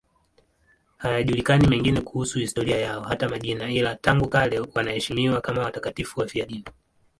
Hayajulikani mengine kuhusu historia yao, hata majina, ila tangu kale wanaheshimiwa kama watakatifu wafiadini.